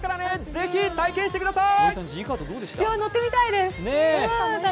ぜひ体験してみてください。